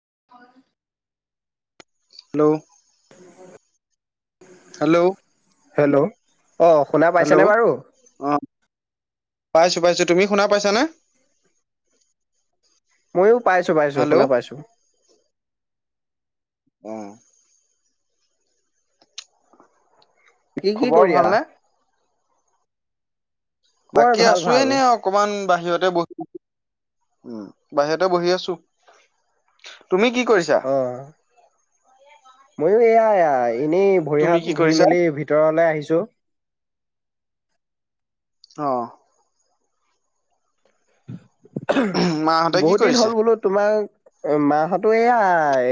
[inaudible] Hello hello hello অঁ শুনা hello পাইছেনে বাৰু অ পাইছো পাইছো তুমি শুনা পাইছানে ময়ো পাইছো পাইছো হেল্ল' শুনা পাইছো। অ কি কি খবৰ কৰি আহা। ভালনে বাকী ভাল আছোয়ে ভাল নে অকনমান বাকী বাহিৰতে বহি আ উম বাহিৰতে বহি আছো। তুমি কি কৰিছা মইো এয়ায়া এনেই ভৰি তুমি কি হাত ধুই কৰিছা মেলি ভিতৰলে আহিছোঁ। অ মাহঁতে কি বহুত দিন কৰিছে হ'ল বোলো তোমাৰ। মাহঁতো এয়া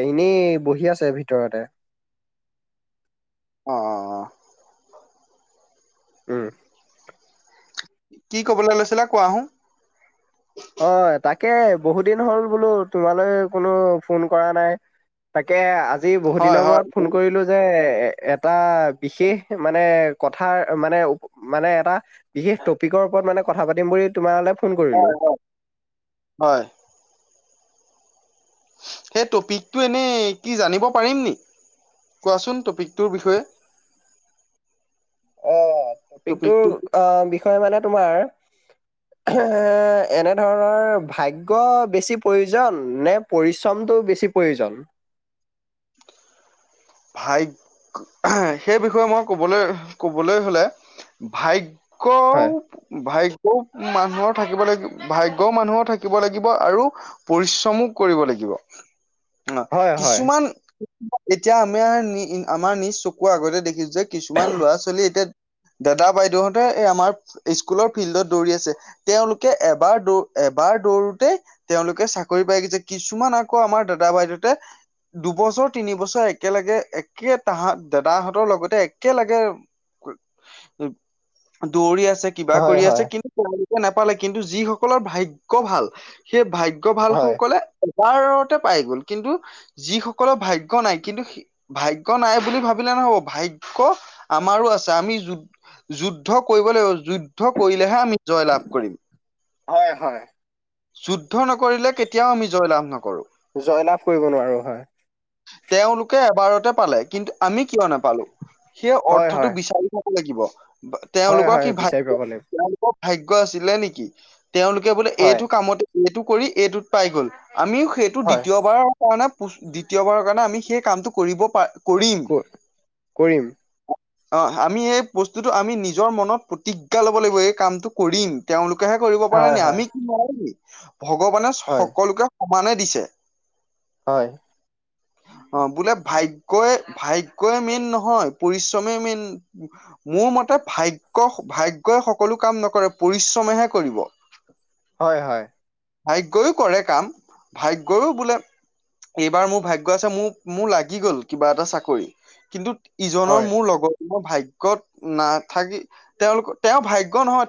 এনেই বহি আছে ভিতৰতে। অ অ উম। কি ক'বলৈ লৈছিলা কোৱাহো। অ তাকে বহু দিন হ'ল বোলো তোমালৈ কোনো ফোন কৰা নাই তাকে আজি বহুত হয় দিনৰ হয় মূৰত ফোন কৰিলো যে এ। এটা বিশেষ মানে কথা মানে মানে এটা বিশেষ টপিকৰওপৰত। মান কথা পাতিম বুলি তোমাৰলৈ ফোন কৰিলো। হয় হয় হয় সেই টপিকটো এনেই কি জানিব পাৰিম নি। কোৱাচোন টপিকটোৰ বিষয়ে অ টপিকটো টপিকটোৰ আহ বিষয়ে মানে তোমাৰ। উ এ এনে ধৰণৰ ভাগ্যৰ বেছি প্ৰয়োজন নে পৰিশ্ৰমটো। বেছি প্ৰয়োজন। ভাগ্য সেই বিষয়ে মই কবলৈ ক'বলৈ হলে ভাগ ক হয়, ভাই মানুহৰ থাকিব লাগিব ভাগ্য় মানুহো থাকিব লাগিব আৰু পৰিশ্ৰমো কৰিব লাগিব দিব অ হয়, হয়, কিছুমান এতিয়া আমি আমাৰ নিজ চকুৰ আগতে দেখিছো যে। কিছুমান ল'ৰা ছোৱালী এতিয়া দাদা বাইদেউহঁতে আমাৰ স্কুলৰ ফিল্ডত দৌৰি আছে তেওঁলোকে এবাৰ দৌ। এবাৰ দৌৰোতেই তেওঁলোকে চাকৰি পাই গৈছে কিছুমান আকৌ আমাৰ দাদা বাইদেউতে দুবছৰ তিনি বছৰ এক একেলগে একে তাহত দাদাহঁতৰ লগতে একেলগে দৌৰি আছে। কিবা হয়, কৰি আছে হয়, কিন্তু তেওঁলোকে নাপালে। কিন্তু যিসকলৰ ভাগ্যৰ ভাল সেই ভাগ্য ভাগ্য হয়। ভালসকলে এবাৰতে পাই গ'ল। কিন্তু যিসকলে ভাগ্য নাই। কিন্তু ভাগ্য নাই বুলি ভাবিলে নহ'ব। ভাগ্য আমাৰো আছে। আমি যুজ যুদ্ধ কৰিবলৈ যুদ্ধ কৰিলেহে আমি জয় লাভ কৰিম হয় হয় যুদ্ধ নকৰিলে কেতিয়াও আমি জয়লাভ নকৰো। জয়লাভ কৰিব নোৱাৰো হয়। তেওঁলোকে এবাৰতে পালে কিন্তু আমি কিয় নাপালো সেই হয়, অৰ্থটো হয়, বিচাৰি ব লাগিব হয়, তেওঁলোকৰ হয়, কি বিচাৰি ভাগ্য পাব লাগিব তেওঁলোকৰ ভাগ্য আছিলে নেকি তেওঁলোকে বোলে হয়, এইটো কামতে এইটো কৰি এইটোত পাই গ'ল। আমিও সেইটো হয়, দ্বিতীয়বাৰৰ কাৰণে প দ্বিতীয়বাৰৰ কাৰণে আমি সেই কামটো কৰিব পাৰ কৰিম কত? কৈ আহিবি। অ' আমি এই বস্তুটো আমি নিজৰ মনত প্ৰতিজ্ঞা লব লাগিব এই কামটো কৰিম। তেওঁলোক তেহেই কৰিব পাৰে হয়, নে হয়, আমি কি নুৱাৰেনি ভগৱানে হয়। সকলোকে সমানে দিছে। হয়। অ' বোলে ভাগ্য কৈ ভাগ্যই মেইন নহয়, পৰিশ্ৰমে মাইন মোৰ মতে ভাগ্য ভাগ্যযই সকলো কাম নকৰে পৰিশ্ৰমেহে কৰিব। হয়-হয়। ভাগ্যইও কৰে কাম ভাগ্যইও বোলে এইবাৰ মোৰ ভাগ্য আছে মোৰ মোৰ লাগি গ'ল কিবা এটা চাকৰি কিন্তু ইজনৰ হয়। মোৰ লগত মোৰ ভাগ্যত নাথাকি তেওঁলোকৰ তেওঁ ভাগ্যও নহয় তেওঁ